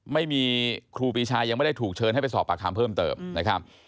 ไม่มีครูปีชายังไม่ได้ถูกเชิญให้ไปสอบปากคำเพิ่มเติมนะครับ